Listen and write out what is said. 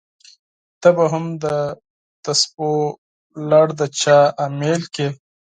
ته به هم دتسبو لړ د چا امېل کړې!